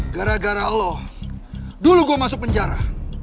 gara gara allah dulu gue masuk penjara